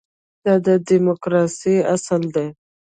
دا د ډیموکراسۍ اصل دی.